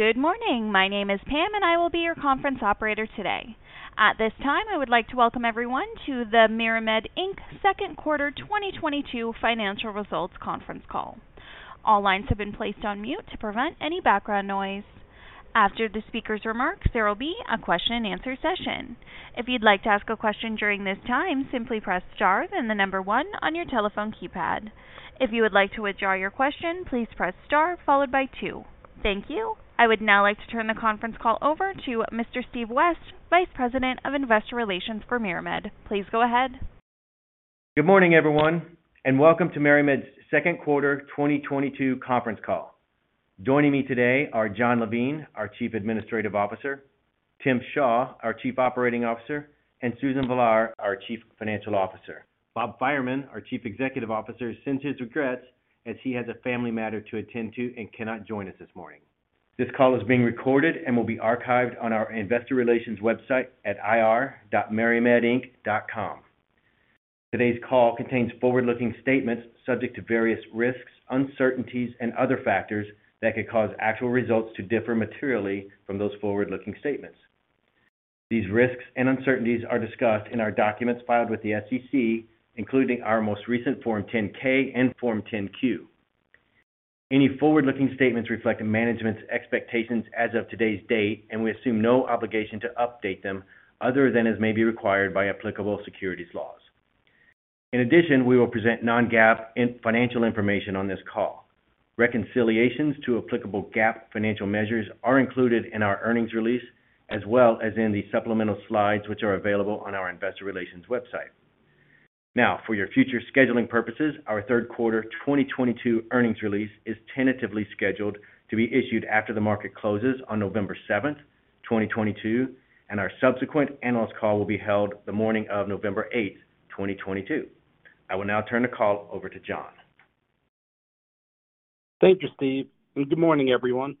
Good morning. My name is Pam, and I will be your conference operator today. At this time, I would like to welcome everyone to the MariMed Inc. second quarter 2022 financial results conference call. All lines have been placed on mute to prevent any background noise. After the speaker's remarks, there will be a question and answer session. If you'd like to ask a question during this time, simply press star then the number one on your telephone keypad. If you would like to withdraw your question, please press star followed by two. Thank you. I would now like to turn the conference call over to Mr. Steve West, Vice President of Investor Relations for MariMed. Please go ahead. Good morning, everyone, and welcome to MariMed's second quarter 2022 conference call. Joining me today are Jon Levine, our Chief Administrative Officer, Tim Shaw, our Chief Operating Officer, and Susan Villare, our Chief Financial Officer. Bob Fireman, our Chief Executive Officer, sends his regrets as he has a family matter to attend to and cannot join us this morning. This call is being recorded and will be archived on our investor relations website at ir.marimedinc.com. Today's call contains forward-looking statements subject to various risks, uncertainties, and other factors that could cause actual results to differ materially from those forward-looking statements. These risks and uncertainties are discussed in our documents filed with the SEC, including our most recent Form 10-K and Form 10-Q. Any forward-looking statements reflect management's expectations as of today's date, and we assume no obligation to update them other than as may be required by applicable securities laws. In addition, we will present non-GAAP financial information on this call. Reconciliations to applicable GAAP financial measures are included in our earnings release as well as in the supplemental slides, which are available on our investor relations website. Now, for your future scheduling purposes, our third quarter 2022 earnings release is tentatively scheduled to be issued after the market closes on November 7, 2022, and our subsequent analyst call will be held the morning of November 8, 2022. I will now turn the call over to Jon. Thank you, Steve, and good morning, everyone.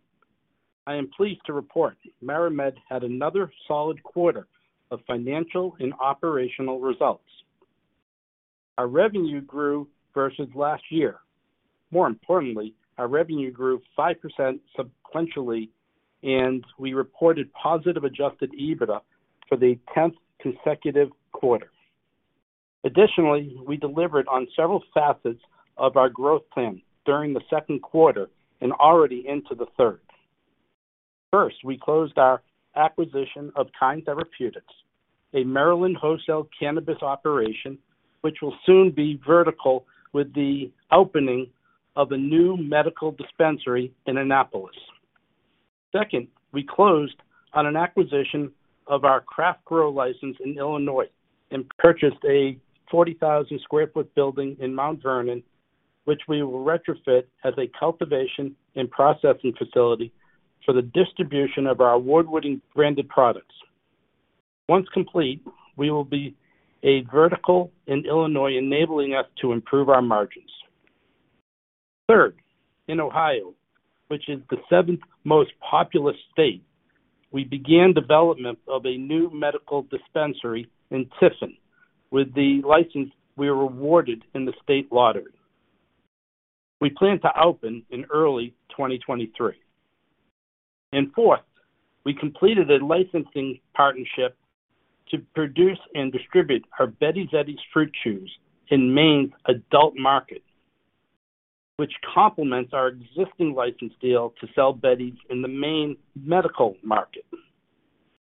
I am pleased to report MariMed had another solid quarter of financial and operational results. Our revenue grew versus last year. More importantly, our revenue grew 5% sequentially, and we reported positive adjusted EBITDA for the tenth consecutive quarter. Additionally, we delivered on several facets of our growth plan during the second quarter and already into the third. First, we closed our acquisition of Kind Therapeutics, a Maryland wholesale cannabis operation, which will soon be vertical with the opening of a new medical dispensary in Annapolis. Second, we closed on an acquisition of our craft grow license in Illinois and purchased a 40,000 sq ft building in Mount Vernon, which we will retrofit as a cultivation and processing facility for the distribution of our award-winning branded products. Once complete, we will be a vertical in Illinois, enabling us to improve our margins. Third, in Ohio, which is the seventh most populous state, we began development of a new medical dispensary in Tiffin with the license we were awarded in the state lottery. We plan to open in early 2023. Fourth, we completed a licensing partnership to produce and distribute our Betty's Eddies fruit chews in Maine's adult market, which complements our existing license deal to sell Betty's Eddies in the Maine medical market.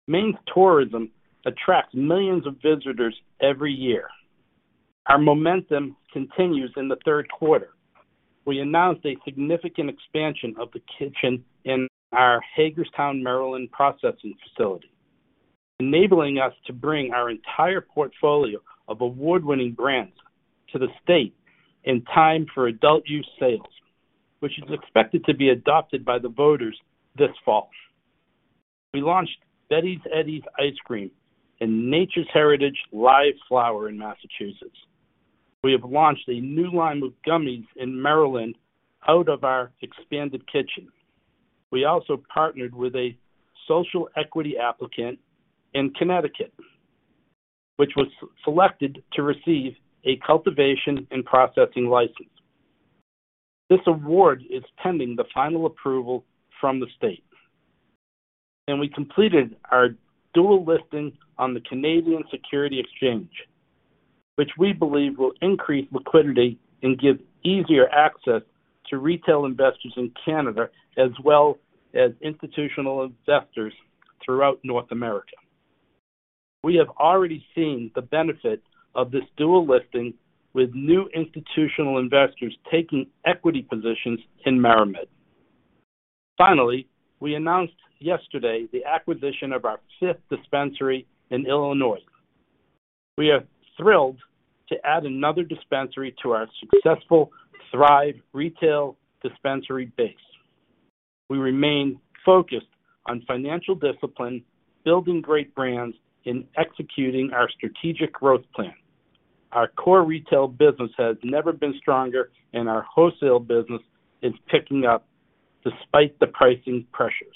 Maine's tourism attracts millions of visitors every year. Our momentum continues in the third quarter. We announced a significant expansion of the kitchen in our Hagerstown, Maryland, processing facility, enabling us to bring our entire portfolio of award-winning brands to the state in time for adult use sales, which is expected to be adopted by the voters this fall. We launched Betty's Eddies Ice Cream in Nature's Heritage live flower in Massachusetts. We have launched a new line of gummies in Maryland out of our expanded kitchen. We also partnered with a social equity applicant in Connecticut, which was selected to receive a cultivation and processing license. This award is pending the final approval from the state. We completed our dual listing on the Canadian Securities Exchange, which we believe will increase liquidity and give easier access to retail investors in Canada as well as institutional investors throughout North America. We have already seen the benefit of this dual listing with new institutional investors taking equity positions in MariMed. Finally, we announced yesterday the acquisition of our fifth dispensary in Illinois. We are thrilled to add another dispensary to our successful Thrive retail dispensary base. We remain focused on financial discipline, building great brands, and executing our strategic growth plan. Our core retail business has never been stronger, and our wholesale business is picking up despite the pricing pressures.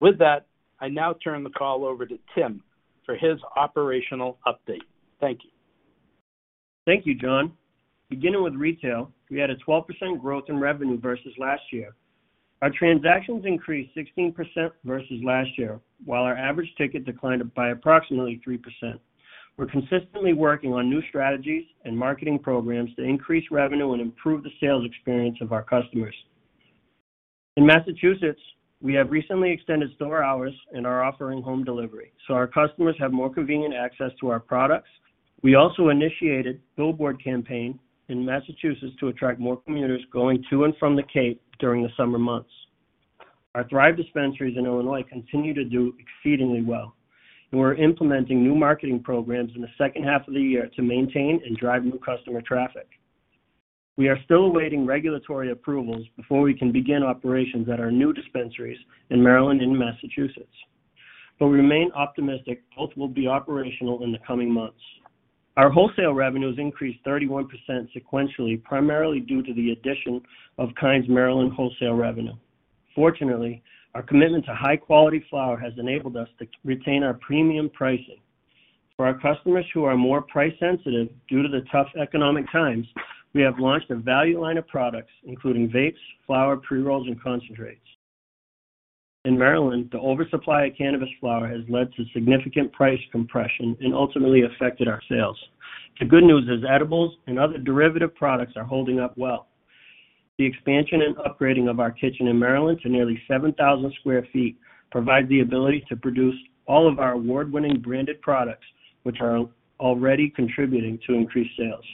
With that, I now turn the call over to Tim for his operational update. Thank you. Thank you, Jon. Beginning with retail, we had a 12% growth in revenue versus last year. Our transactions increased 16% versus last year, while our average ticket declined by approximately 3%. We're consistently working on new strategies and marketing programs to increase revenue and improve the sales experience of our customers. In Massachusetts, we have recently extended store hours and are offering home delivery, so our customers have more convenient access to our products. We also initiated billboard campaign in Massachusetts to attract more commuters going to and from the Cape during the summer months. Our Thrive dispensaries in Illinois continue to do exceedingly well, and we're implementing new marketing programs in the second half of the year to maintain and drive new customer traffic. We are still awaiting regulatory approvals before we can begin operations at our new dispensaries in Maryland and Massachusetts. We remain optimistic both will be operational in the coming months. Our wholesale revenues increased 31% sequentially, primarily due to the addition of Kind's Maryland wholesale revenue. Fortunately, our commitment to high-quality flower has enabled us to retain our premium pricing. For our customers who are more price-sensitive due to the tough economic times, we have launched a value line of products, including vapes, flower, pre-rolls, and concentrates. In Maryland, the oversupply of cannabis flower has led to significant price compression and ultimately affected our sales. The good news is edibles and other derivative products are holding up well. The expansion and upgrading of our kitchen in Maryland to nearly 7,000 sq ft provide the ability to produce all of our award-winning branded products, which are already contributing to increased sales.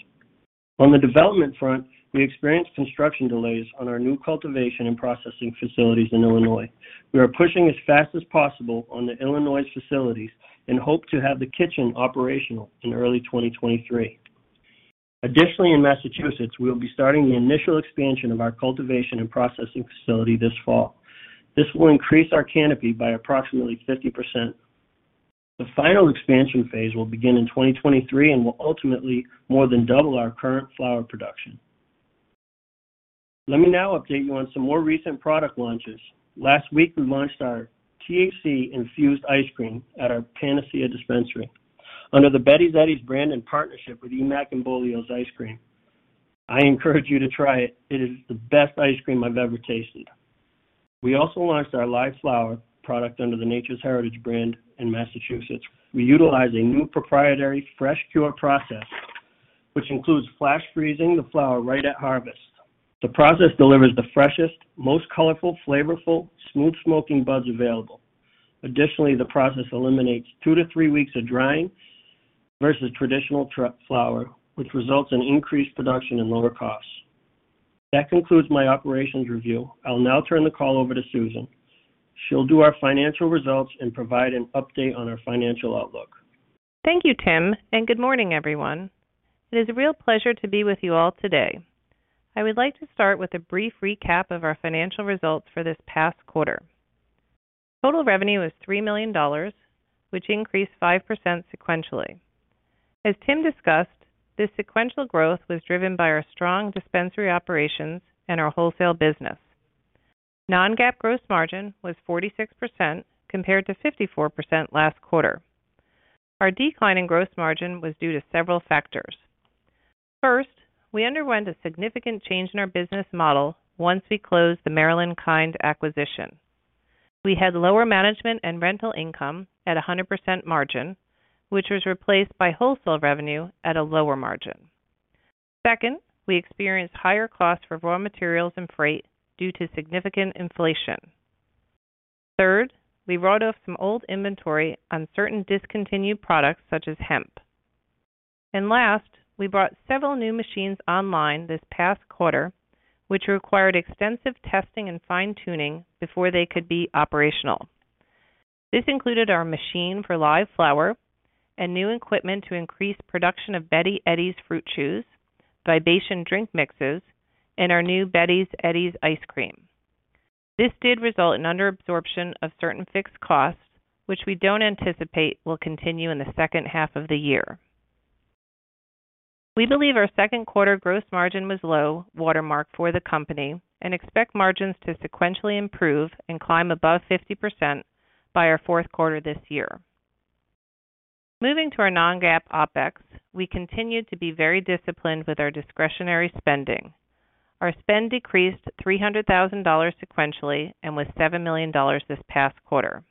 On the development front, we experienced construction delays on our new cultivation and processing facilities in Illinois. We are pushing as fast as possible on the Illinois facilities and hope to have the kitchen operational in early 2023. Additionally, in Massachusetts, we will be starting the initial expansion of our cultivation and processing facility this fall. This will increase our canopy by approximately 50%. The final expansion phase will begin in 2023 and will ultimately more than double our current flower production. Let me now update you on some more recent product launches. Last week, we launched our THC-infused ice cream at our Panacea dispensary under the Betty's Eddies brand in partnership with Emack & Bolio's Ice Cream. I encourage you to try it. It is the best ice cream I've ever tasted. We also launched our live flower product under the Nature's Heritage brand in Massachusetts. We utilize a new proprietary fresh cure process, which includes flash-freezing the flower right at harvest. The process delivers the freshest, most colorful, flavorful, smooth-smoking buds available. Additionally, the process eliminates two to three weeks of drying versus traditional flower, which results in increased production and lower costs. That concludes my operations review. I'll now turn the call over to Susan. She'll do our financial results and provide an update on our financial outlook. Thank you, Tim, and good morning, everyone. It is a real pleasure to be with you all today. I would like to start with a brief recap of our financial results for this past quarter. Total revenue was $3 million, which increased 5% sequentially. As Tim discussed, this sequential growth was driven by our strong dispensary operations and our wholesale business. non-GAAP gross margin was 46%, compared to 54% last quarter. Our decline in gross margin was due to several factors. First, we underwent a significant change in our business model once we closed the Maryland Kind acquisition. We had lower management and rental income at a 100% margin, which was replaced by wholesale revenue at a lower margin. Second, we experienced higher costs for raw materials and freight due to significant inflation. Third, we wrote off some old inventory on certain discontinued products, such as hemp. Last, we brought several new machines online this past quarter, which required extensive testing and fine-tuning before they could be operational. This included our machine for live flower and new equipment to increase production of Betty's Eddies Fruit Chews, Vibations drink mixes, and our new Betty's Eddies ice cream. This did result in under absorption of certain fixed costs, which we don't anticipate will continue in the second half of the year. We believe our second quarter gross margin was low watermark for the company and expect margins to sequentially improve and climb above 50% by our fourth quarter this year. Moving to our non-GAAP OpEx, we continued to be very disciplined with our discretionary spending. Our spend decreased $300,000 sequentially and was $7 million this past quarter.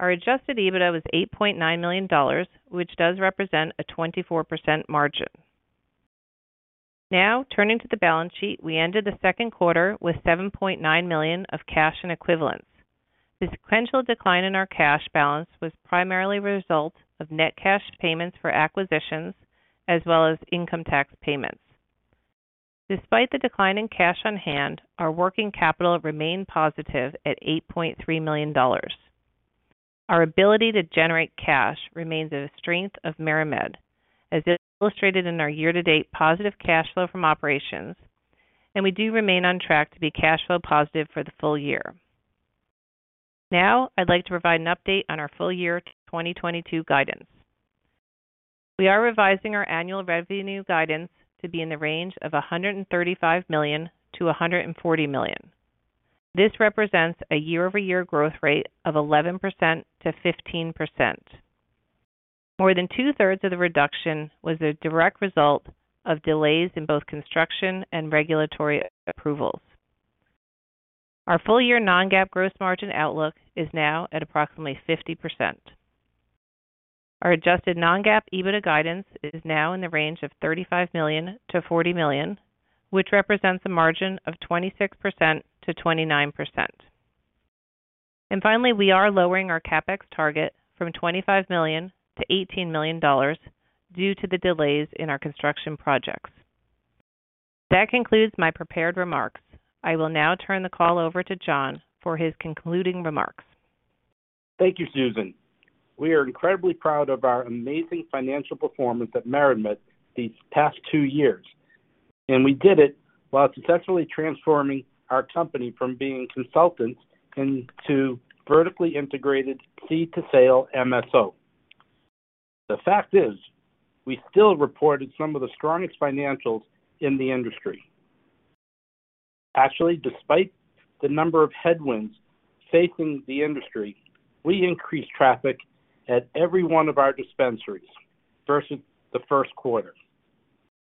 Our adjusted EBITDA was $8.9 million, which does represent a 24% margin. Now turning to the balance sheet, we ended the second quarter with $7.9 million of cash and equivalents. The sequential decline in our cash balance was primarily a result of net cash payments for acquisitions as well as income tax payments. Despite the decline in cash on hand, our working capital remained positive at $8.3 million. Our ability to generate cash remains a strength of MariMed, as illustrated in our year-to-date positive cash flow from operations, and we do remain on track to be cash flow positive for the full year. Now I'd like to provide an update on our full year 2022 guidance. We are revising our annual revenue guidance to be in the range of $135 million-$140 million. This represents a year-over-year growth rate of 11%-15%. More than two-thirds of the reduction was a direct result of delays in both construction and regulatory approvals. Our full-year non-GAAP gross margin outlook is now at approximately 50%. Our adjusted non-GAAP EBITDA guidance is now in the range of $35 million-$40 million, which represents a margin of 26%-29%. Finally, we are lowering our CapEx target from $25 million to $18 million due to the delays in our construction projects. That concludes my prepared remarks. I will now turn the call over to Jon for his concluding remarks. Thank you, Susan. We are incredibly proud of our amazing financial performance at MariMed these past two years, and we did it while successfully transforming our company from being consultants into vertically integrated seed-to-sale MSO. The fact is, we still reported some of the strongest financials in the industry. Actually, despite the number of headwinds facing the industry, we increased traffic at every one of our dispensaries versus the first quarter.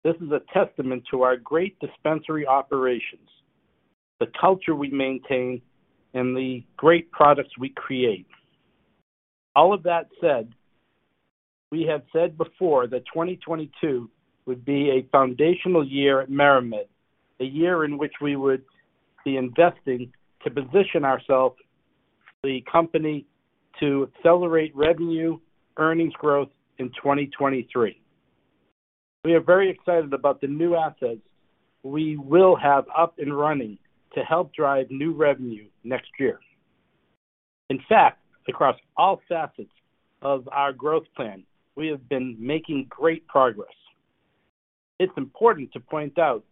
This is a testament to our great dispensary operations, the culture we maintain, and the great products we create. All of that said, we have said before that 2022 would be a foundational year at MariMed, a year in which we would be investing to position ourselves the company to accelerate revenue earnings growth in 2023. We are very excited about the new assets we will have up and running to help drive new revenue next year. In fact, across all facets of our growth plan, we have been making great progress. It's important to point out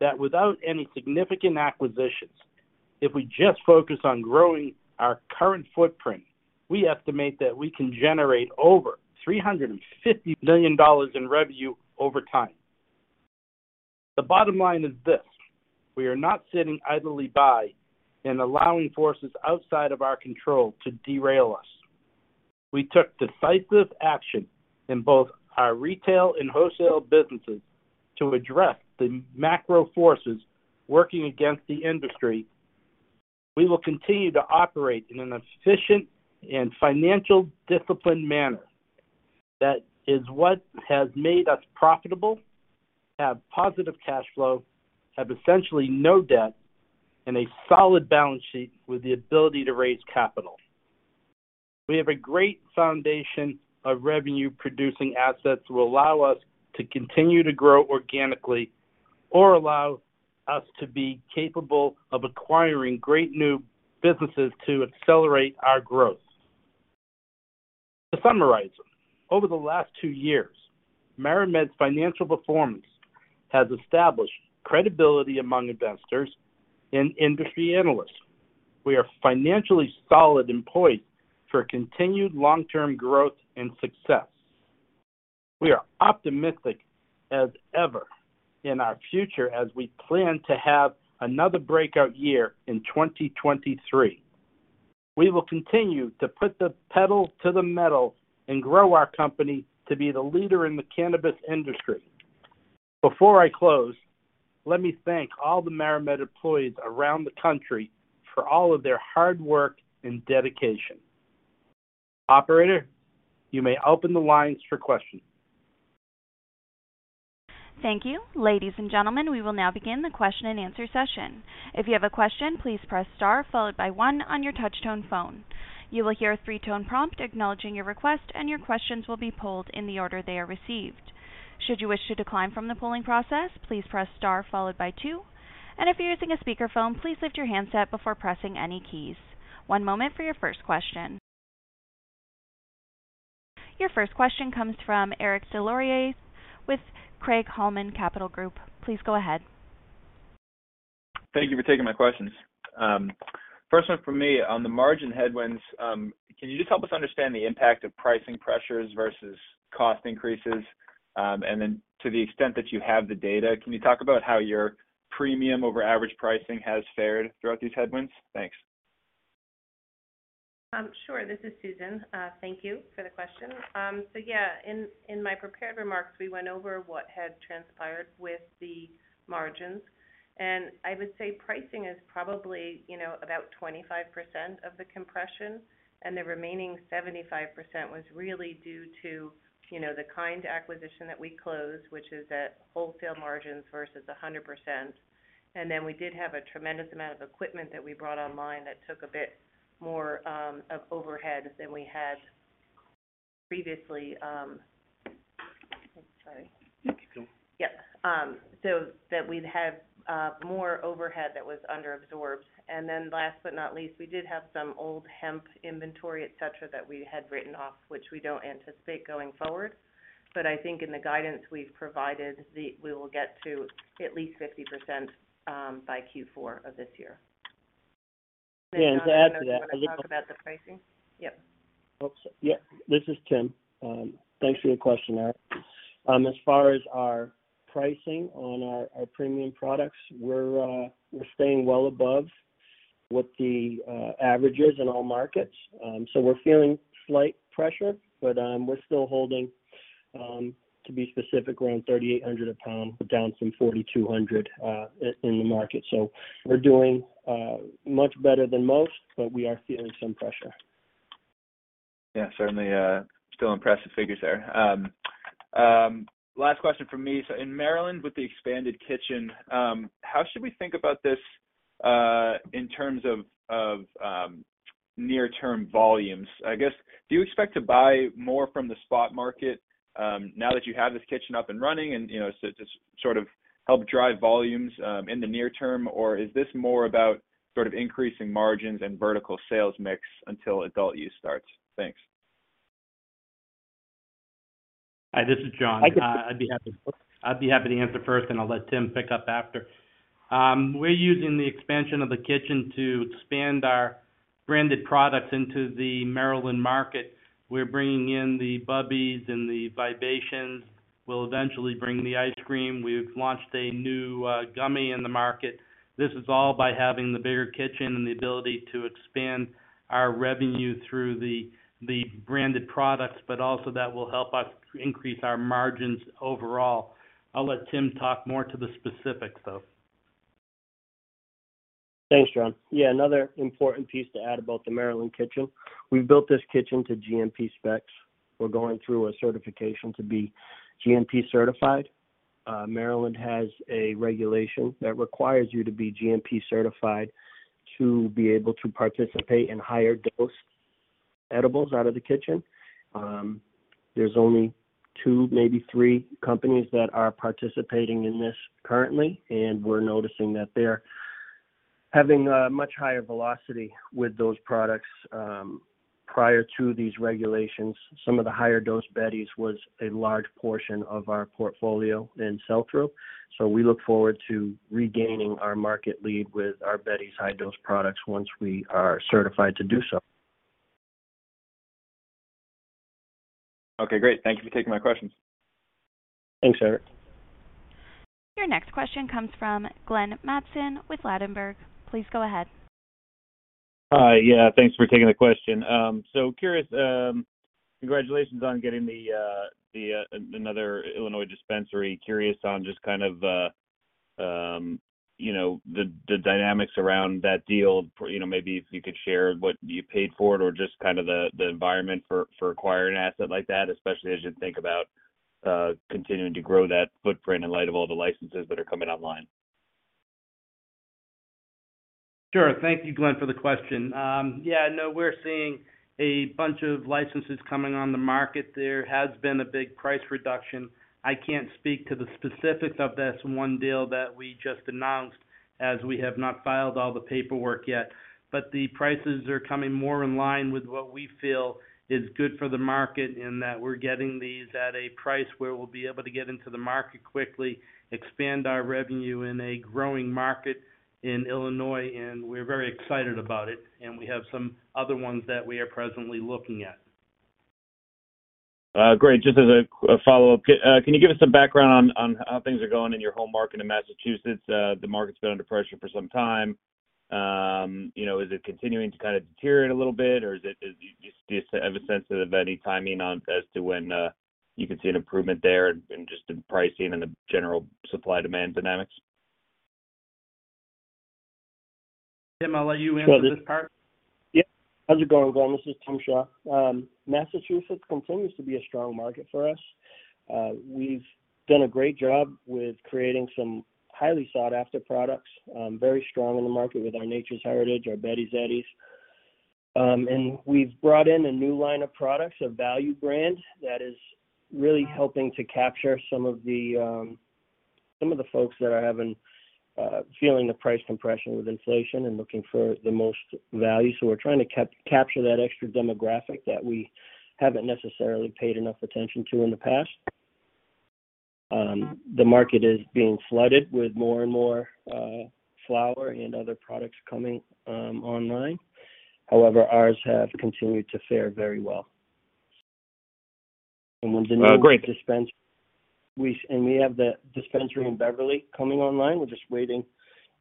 that without any significant acquisitions, if we just focus on growing our current footprint, we estimate that we can generate over $350 million in revenue over time. The bottom line is this. We are not sitting idly by and allowing forces outside of our control to derail us. We took decisive action in both our retail and wholesale businesses to address the macro forces working against the industry. We will continue to operate in an efficient and financially disciplined manner. That is what has made us profitable, have positive cash flow, have essentially no debt, and a solid balance sheet with the ability to raise capital. We have a great foundation of revenue-producing assets to allow us to continue to grow organically or allow us to be capable of acquiring great new businesses to accelerate our growth. To summarize, over the last two years, MariMed's financial performance has established credibility among investors and industry analysts. We are financially solid and poised for continued long-term growth and success. We are optimistic as ever in our future as we plan to have another breakout year in 2023. We will continue to put the pedal to the metal and grow our company to be the leader in the cannabis industry. Before I close, let me thank all the MariMed employees around the country for all of their hard work and dedication. Operator, you may open the lines for questions. Thank you. Ladies and gentlemen, we will now begin the question and answer session. If you have a question, please press star followed by one on your touch tone phone. You will hear a three-tone prompt acknowledging your request, and your questions will be pulled in the order they are received. Should you wish to decline from the polling process, please press star followed by two. If you're using a speakerphone, please lift your handset before pressing any keys. One moment for your first question. Your first question comes from Eric Des Lauriers with Craig-Hallum Capital Group. Please go ahead. Thank you for taking my questions. First one from me. On the margin headwinds, can you just help us understand the impact of pricing pressures versus cost increases? To the extent that you have the data, can you talk about how your premium over average pricing has fared throughout these headwinds? Thanks. Sure. This is Susan. Thank you for the question. So yeah, in my prepared remarks, we went over what had transpired with the margins, and I would say pricing is probably, you know, about 25% of the compression, and the remaining 75% was really due to, you know, the Kind acquisition that we closed, which is at wholesale margins versus 100%. Then we did have a tremendous amount of equipment that we brought online that took a bit more of overhead than we had previously. You can go. Yeah, so that we'd had more overhead that was underabsorbed. Last but not least, we did have some old hemp inventory, et cetera, that we had written off, which we don't anticipate going forward. I think in the guidance we've provided, we will get to at least 50%, by Q4 of this year. Yeah. To add to that. Do you wanna talk about the pricing? Yep. Oops. Yeah, this is Tim. Thanks for your question, Eric. As far as our pricing on our premium products, we're staying well above what the average is in all markets. We're feeling slight pressure, but we're still holding, to be specific, around $3,800 a pound, but down from $4,200 in the market. We're doing much better than most, but we are feeling some pressure. Yeah, certainly, still impressive figures there. Last question from me. In Maryland, with the expanded kitchen, how should we think about this in terms of near-term volumes? I guess, do you expect to buy more from the spot market now that you have this kitchen up and running and, you know, so just sort of help drive volumes in the near term? Or is this more about sort of increasing margins and vertical sales mix until adult use starts? Thanks. Hi, this is Jon. I could- I'd be happy to answer first, and I'll let Tim pick up after. We're using the expansion of the kitchen to expand our branded products into the Maryland market. We're bringing in the Bubby's and the Vibations. We'll eventually bring the ice cream. We've launched a new gummy in the market. This is all by having the bigger kitchen and the ability to expand our revenue through the branded products, but also that will help us increase our margins overall. I'll let Tim talk more to the specifics, though. Thanks, Jon. Yeah, another important piece to add about the Maryland kitchen. We built this kitchen to GMP specs. We're going through a certification to be GMP certified. Maryland has a regulation that requires you to be GMP certified to be able to participate in higher dose edibles out of the kitchen. There's only two, maybe three companies that are participating in this currently, and we're noticing that they're having a much higher velocity with those products. Prior to these regulations, some of the higher dose Betty's was a large portion of our portfolio in sell-through. We look forward to regaining our market lead with our Betty's high-dose products once we are certified to do so. Okay, great. Thank you for taking my questions. Thanks, Eric. Your next question comes from Glenn Mattson with Ladenburg. Please go ahead. Hi. Yeah, thanks for taking the question. Curious, congratulations on getting another Illinois dispensary. Curious on just kind of, you know, the dynamics around that deal. You know, maybe if you could share what you paid for it or just kind of the environment for acquiring an asset like that, especially as you think about continuing to grow that footprint in light of all the licenses that are coming online. Sure. Thank you, Glenn, for the question. Yeah, no, we're seeing a bunch of licenses coming on the market. There has been a big price reduction. I can't speak to the specifics of this one deal that we just announced as we have not filed all the paperwork yet. The prices are coming more in line with what we feel is good for the market, and that we're getting these at a price where we'll be able to get into the market quickly, expand our revenue in a growing market in Illinois, and we're very excited about it. We have some other ones that we are presently looking at. Great. Just as a follow-up, can you give us some background on how things are going in your home market in Massachusetts? The market's been under pressure for some time. You know, is it continuing to kind of deteriorate a little bit, or do you have a sense of any timing on as to when you could see an improvement there and just in pricing and the general supply-demand dynamics? Tim, I'll let you answer this part. Yeah. How's it going, Glenn? This is Tim Shaw. Massachusetts continues to be a strong market for us. We've done a great job with creating some highly sought-after products, very strong in the market with our Nature's Heritage, our Betty's Eddies. We've brought in a new line of products, a value brand that is really helping to capture some of the folks that are feeling the price compression with inflation and looking for the most value. We're trying to capture that extra demographic that we haven't necessarily paid enough attention to in the past. The market is being flooded with more and more flower and other products coming online. However, ours have continued to fare very well. Oh, great. When the new dispensary we have the dispensary in Beverly coming online. We're just waiting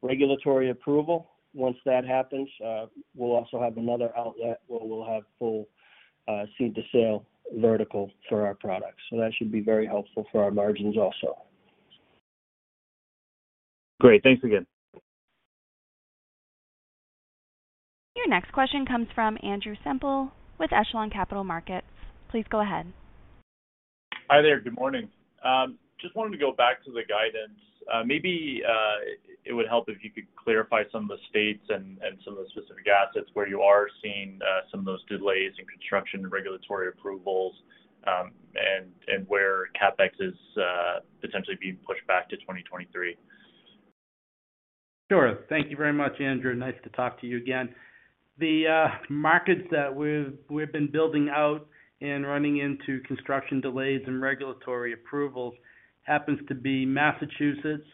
regulatory approval. Once that happens, we'll also have another outlet where we'll have full seed-to-sale vertical for our products. That should be very helpful for our margins also. Great. Thanks again. Your next question comes from Andrew Semple with Echelon Capital Markets. Please go ahead. Hi there. Good morning. Just wanted to go back to the guidance. Maybe it would help if you could clarify some of the states and some of the specific assets where you are seeing some of those delays in construction and regulatory approvals, and where CapEx is potentially being pushed back to 2023. Sure. Thank you very much, Andrew. Nice to talk to you again. The markets that we've been building out and running into construction delays and regulatory approvals happens to be Massachusetts.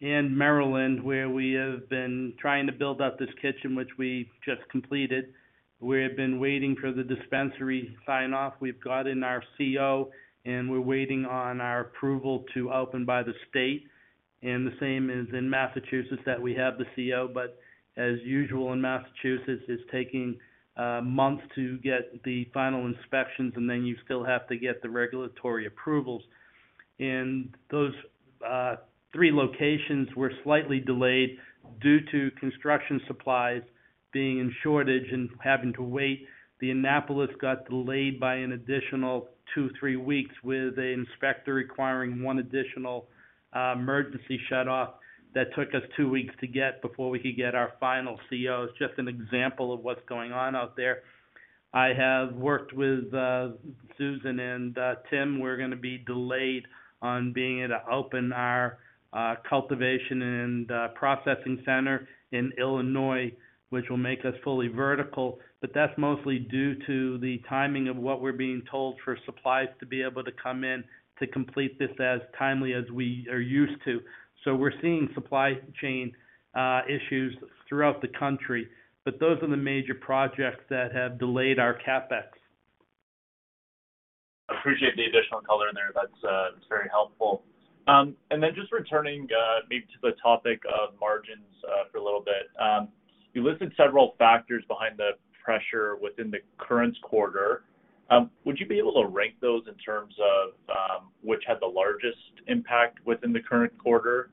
In Maryland, where we have been trying to build up this kitchen, which we just completed. We have been waiting for the dispensary sign-off. We've gotten our CO, and we're waiting on our approval to open by the state. The same is in Massachusetts, that we have the CO, but as usual in Massachusetts, it's taking months to get the final inspections, and then you still have to get the regulatory approvals. Those 3 locations were slightly delayed due to construction supplies being in shortage and having to wait. The Annapolis got delayed by an additional 2-3 weeks with an inspector requiring one additional emergency shutoff that took us 2 weeks to get before we could get our final CO. It's just an example of what's going on out there. I have worked with Susan and Tim. We're gonna be delayed on being able to open our cultivation and processing center in Illinois, which will make us fully vertical. That's mostly due to the timing of what we're being told for supplies to be able to come in to complete this as timely as we are used to. We're seeing supply chain issues throughout the country, but those are the major projects that have delayed our CapEx. Appreciate the additional color there. That's very helpful. Just returning, maybe to the topic of margins, for a little bit. You listed several factors behind the pressure within the current quarter. Would you be able to rank those in terms of which had the largest impact within the current quarter?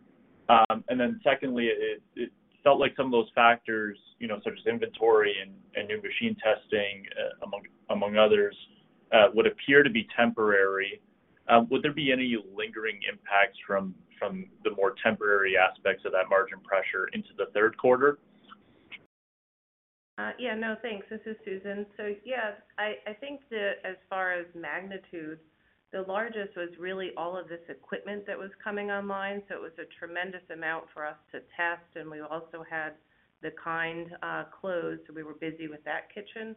Secondly, it felt like some of those factors, you know, such as inventory and new machine testing, among others, would appear to be temporary. Would there be any lingering impacts from the more temporary aspects of that margin pressure into the third quarter? Yeah, no, thanks. This is Susan. Yes, I think as far as magnitude, the largest was really all of this equipment that was coming online. It was a tremendous amount for us to test, and we also had the Kind closed, so we were busy with that kitchen.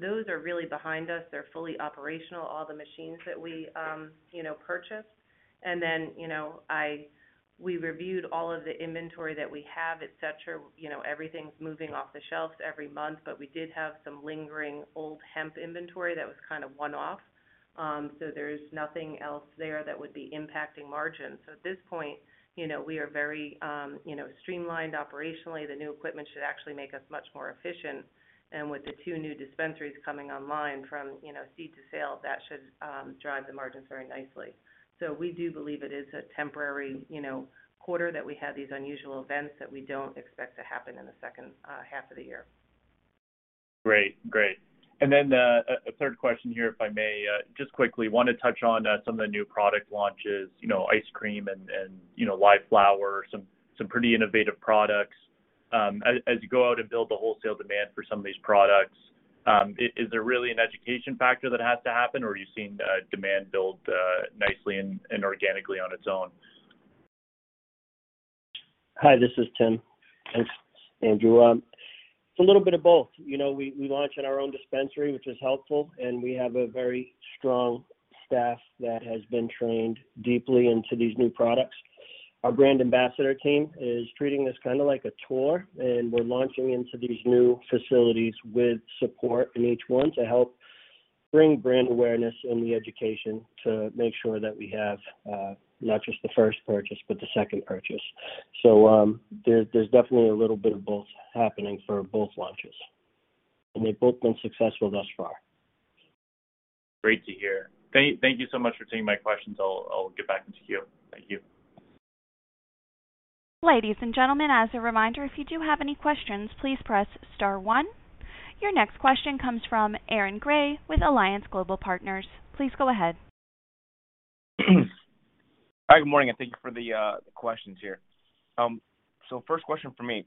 Those are really behind us. They're fully operational, all the machines that we you know purchased. Then, you know, we reviewed all of the inventory that we have, et cetera. You know, everything's moving off the shelves every month. We did have some lingering old hemp inventory that was kind of one-off. There's nothing else there that would be impacting margins. At this point, you know, we are very you know streamlined operationally. The new equipment should actually make us much more efficient. With the two new dispensaries coming online from, you know, seed-to-sale, that should drive the margins very nicely. We do believe it is a temporary, you know, quarter that we had these unusual events that we don't expect to happen in the second half of the year. Great. A third question here, if I may. Just quickly wanna touch on some of the new product launches, you know, ice cream and you know live flower, some pretty innovative products. As you go out and build the wholesale demand for some of these products, is there really an education factor that has to happen, or are you seeing demand build nicely and organically on its own? Hi, this is Tim. Thanks, Andrew. It's a little bit of both. You know, we launch in our own dispensary, which is helpful, and we have a very strong staff that has been trained deeply into these new products. Our brand ambassador team is treating this kind of like a tour, and we're launching into these new facilities with support in each one to help bring brand awareness and the education to make sure that we have, not just the first purchase, but the second purchase. There's definitely a little bit of both happening for both launches. They've both been successful thus far. Great to hear. Thank you so much for taking my questions. I'll get back into queue. Thank you. Ladies and gentlemen, as a reminder, if you do have any questions, please press star one. Your next question comes from Aaron Grey with Alliance Global Partners. Please go ahead. Hi, good morning, and thank you for the questions here. First question from me.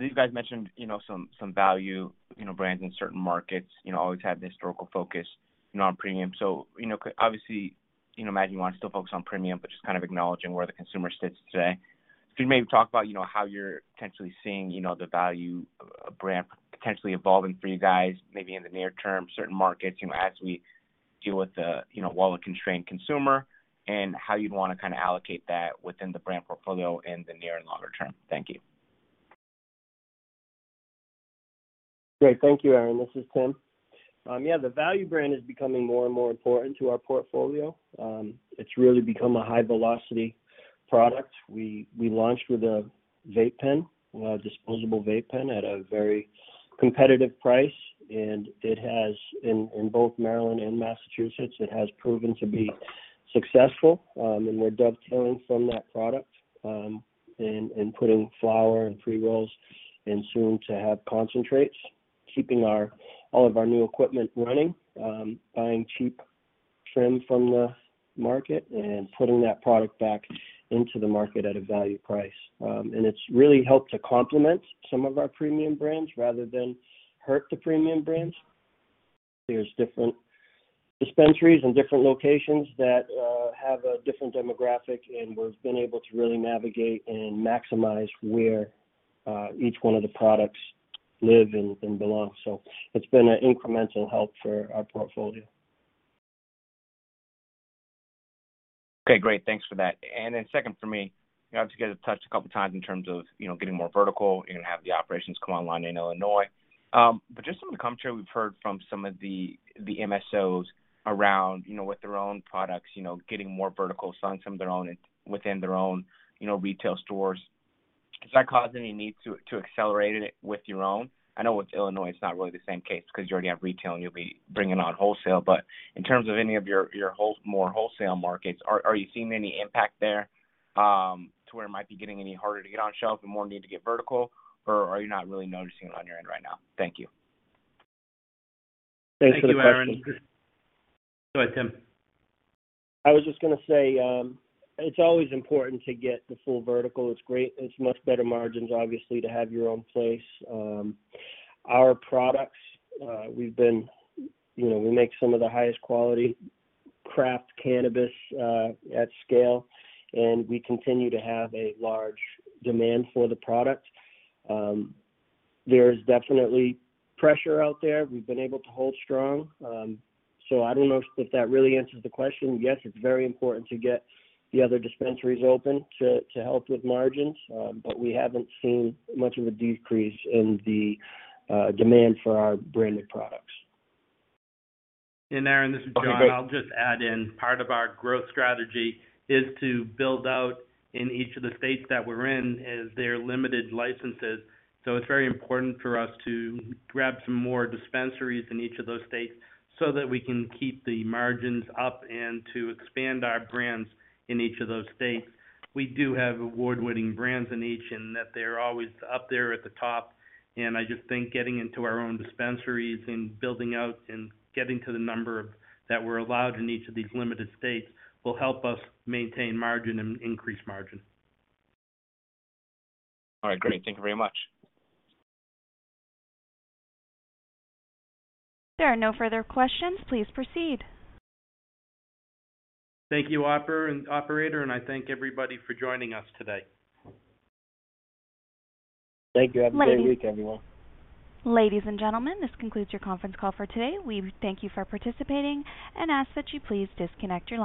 These guys mentioned, you know, some value, you know, brands in certain markets, you know, always had the historical focus non-premium. Obviously, you know, imagine you wanna still focus on premium, but just kind of acknowledging where the consumer sits today. Could you maybe talk about, you know, how you're potentially seeing, you know, the value of a brand potentially evolving for you guys, maybe in the near term, certain markets, you know, as we deal with the, you know, wallet-constrained consumer, and how you'd wanna kind of allocate that within the brand portfolio in the near and longer term? Thank you. Great. Thank you, Aaron. This is Tim. Yeah, the value brand is becoming more and more important to our portfolio. It's really become a high-velocity product. We launched with a vape pen, disposable vape pen at a very competitive price, and it has in both Maryland and Massachusetts proven to be successful. We're dovetailing from that product, and putting flower and pre-rolls and soon to have concentrates, keeping all of our new equipment running, buying cheap trim from the market and putting that product back into the market at a value price. It's really helped to complement some of our premium brands rather than hurt the premium brands. There's different dispensaries and different locations that have a different demographic, and we've been able to really navigate and maximize where each one of the products live and belong. It's been an incremental help for our portfolio. Okay, great. Thanks for that. Second for me, you obviously touched on it a couple of times in terms of, you know, getting more vertical. You're gonna have the operations come online in Illinois. Just some of the commentary we've heard from some of the MSOs around, you know, with their own products, you know, getting more vertical, selling some of their own within their own, you know, retail stores. Does that cause any need to accelerate it with your own? I know with Illinois, it's not really the same case because you already have retail and you'll be bringing on wholesale. In terms of any of your more wholesale markets, are you seeing any impact there to where it might be getting any harder to get on shelf and more need to get vertical? Are you not really noticing it on your end right now? Thank you. Thanks for the question. Thank you, Aaron. Go ahead, Tim. I was just gonna say, it's always important to get the full vertical. It's great. It's much better margins, obviously, to have your own place. Our products, we've been, you know, we make some of the highest quality craft cannabis at scale, and we continue to have a large demand for the product. There's definitely pressure out there. We've been able to hold strong. I don't know if that really answers the question. Yes, it's very important to get the other dispensaries open to help with margins. We haven't seen much of a decrease in the demand for our branded products. Aaron, this is Jon. Okay, great. I'll just add in, part of our growth strategy is to build out in each of the states that we're in as they're limited licenses. It's very important for us to grab some more dispensaries in each of those states so that we can keep the margins up and to expand our brands in each of those states. We do have award-winning brands in each and that they're always up there at the top. I just think getting into our own dispensaries and building out and getting to the number that we're allowed in each of these limited states will help us maintain margin and increase margin. All right, great. Thank you very much. There are no further questions. Please proceed. Thank you, operator, and I thank everybody for joining us today. Thank you. Have a great week, everyone. Ladies and gentlemen, this concludes your conference call for today. We thank you for participating and ask that you please disconnect your lines.